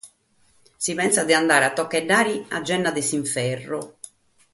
Si pessat de andare a tocheddare a ghenna de s’inferru.